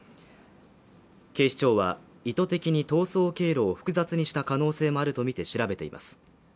警視庁は、意図的に逃走経路を複雑にした可能性もあるとみて調べています。